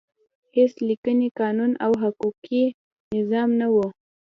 هېڅ لیکلی قانون او حقوقي نظام نه و.